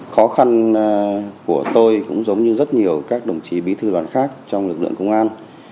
khó khăn của tôi cũng giống như rất nhiều các đồng chí bí thư đoàn khác trong lực lượng công an